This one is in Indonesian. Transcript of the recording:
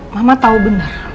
mama tahu benar